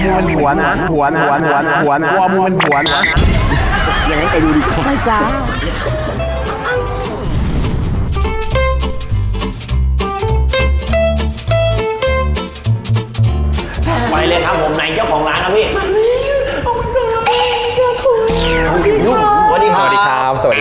พี่รู้ไหมคะที่เขาบอกว่าเป็นทั้งคนรวยด้วย